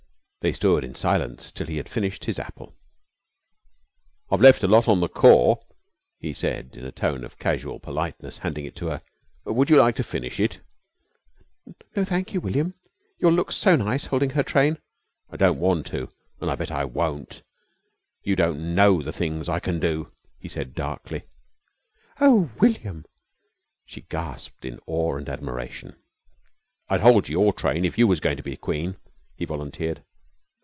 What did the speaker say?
They stood in silence till he had finished his apple. "I've left a lot on the core," he said in a tone of unusual politeness, handing it to her, "would you like to finish it?" "No, thank you. William, you'll look so nice holding her train." "I don't want to, an' I bet I won't! You don't know the things I can do," he said darkly. "Oh, William!" she gasped in awe and admiration. "I'd hold your train if you was goin' to be queen," he volunteered.